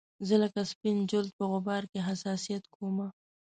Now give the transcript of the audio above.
زه لکه سپین جلد په غبار کې حساسیت کومه